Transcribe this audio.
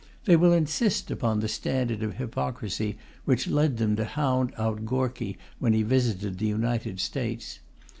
They will insist upon the standard of hypocrisy which led them to hound out Gorky when he visited the United States.